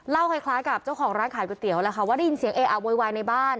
คล้ายกับเจ้าของร้านขายก๋วยเตี๋ยวแล้วค่ะว่าได้ยินเสียงเออะโวยวายในบ้าน